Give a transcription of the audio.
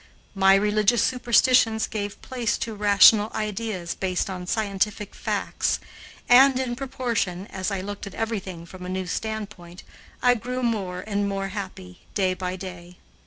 My religious superstitions gave place to rational ideas based on scientific facts, and in proportion, as I looked at everything from a new standpoint, I grew more and more happy, day by day.